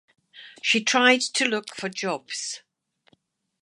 She tried to look for jobs.